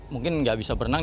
mungkin tidak bisa berenang